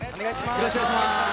よろしくお願いします。